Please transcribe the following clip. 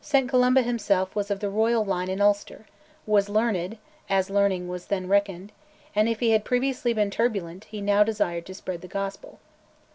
St Columba himself was of the royal line in Ulster, was learned, as learning was then reckoned, and, if he had previously been turbulent, he now desired to spread the Gospel.